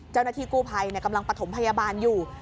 เจ้าหน้าที่กู้ภัยกำลังประถมพยาบาลอยู่